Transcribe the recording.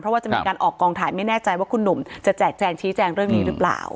เพราะว่าจะมีการออกกองถ่ายไม่แน่ใจว่าคุณหนุ่มจะแจกแจงชี้แจงเรื่องนี้หรือเปล่า